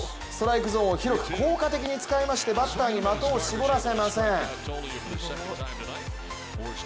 ストライクゾーンを広く効果的に使いまして、バッターに的を絞らせません。